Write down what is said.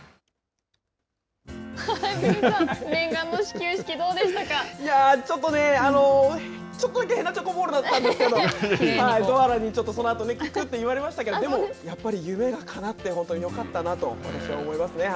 エブリンさん、念願の始球式、いやあ、ちょっとね、ちょっとだけへなちょこボールだったんですけど、ドアラに、くくっと言われましたけど、でも、やっぱり夢がかなって、本当によかったなと私は思いますね。